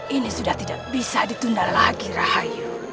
ini sudah tidak bisa ditunda lagi rahayu